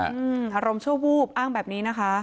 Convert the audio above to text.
อารมณ์ชั่ววูบอ้างแบบนี้นะคะ